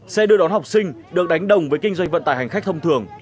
xe đưa đón học sinh được đánh đồng với kinh doanh vận tải hành khách thông thường